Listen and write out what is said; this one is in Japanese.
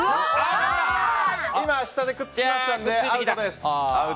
今、下でくっつきましたのでアウトです。